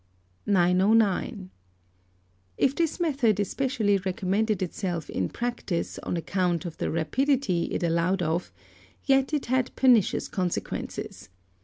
909. If this method especially recommended itself in practice on account of the rapidity it allowed of, yet it had pernicious consequences.